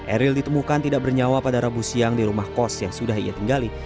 eril ditemukan tidak bernyawa pada rabu siang di rumah kos yang sudah ia tinggali